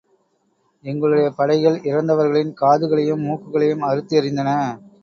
எங்களுடைய படைகள், இறந்தவர்களின் காதுகளையும், மூக்குகளையும் அறுத்து எறிந்தன.